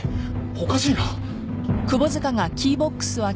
おかしいな。